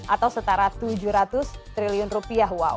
atau setara tujuh ratus triliun rupiah wow